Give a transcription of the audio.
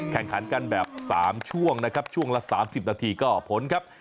แข่งขันกันแบบ๓ช่วงนะครับช่วงละ๓๐นาทีก็ผลครับ